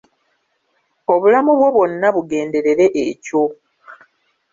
Obulamu bwo bwonna bugenderere ekyo.